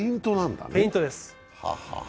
フェイントです。